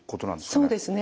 そうですね。